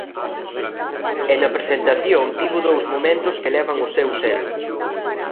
E na presentación tivo dous momentos que levan o seu selo.